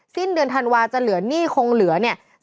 สิ้นเดือนธันวาจะเหลือหนี้คงเหลือเนี่ย